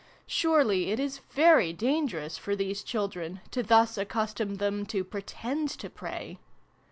Surely it is very dangerous, for these children, to thus ac custom them to pretend to pray